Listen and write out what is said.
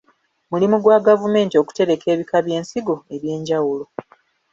Mulimu gwa gavumenti okutereka ebika by'ensigo eby'enjawulo.